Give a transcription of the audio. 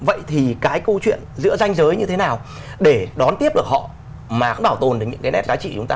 vậy thì cái câu chuyện giữa ranh giới như thế nào để đón tiếp được họ mà cũng bảo tồn được những cái nét giá trị của chúng ta